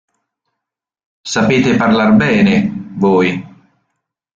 Sapete parlar bene, voi.